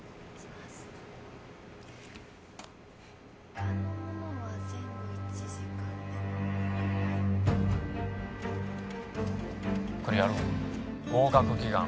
他のものは全部１時間ではいこれやるわ合格祈願